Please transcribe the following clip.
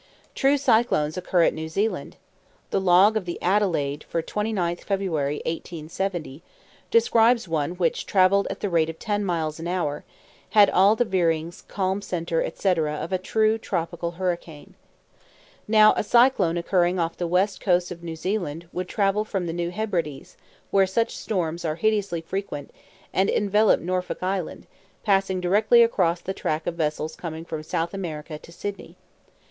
True cyclones occur at New Zealand. The log of the Adelaide for 29th February, 1870, describes one which travelled at the rate of ten miles an hour, and had all the veerings, calm centre, etc., of a true tropical hurricane. Now a cyclone occurring off the west coast of New Zealand would travel from the New Hebrides, where such storms are hideously frequent, and envelop Norfolk Island, passing directly across the track of vessels coming from South America to Sydney.